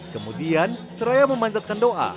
kemudian seraya memanjatkan doa